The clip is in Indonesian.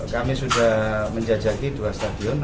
kami sudah menjajaki dua stadion